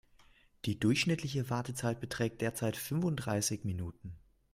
Die durchschnittliche Wartezeit beträgt derzeit fünfunddreißig Minuten.